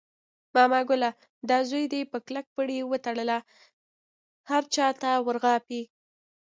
ماما ګله دا زوی دې په کلک پړي وتړله، هر چاته ور غاپي.